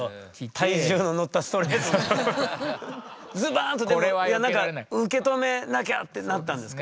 ズバーンとでもなんか受け止めなきゃってなったんですか？